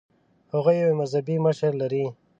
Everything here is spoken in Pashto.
هغوی یو مذهبي مشر لري.